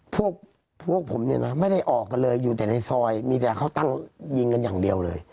พวกผมเนี่ยนะไม่ได้ออกกันเลยอยู่แต่ในซอยมีแต่เขาตั้งยิงกันอย่างเดียวเลย